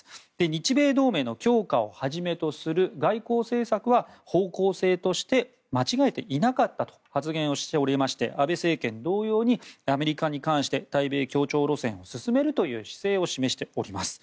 日米同盟の強化をはじめとする外交政策は方向性として間違えていなかったと発言しておりまして安倍政権同様にアメリカに関して対米協調路線を進めるという姿勢を示しております。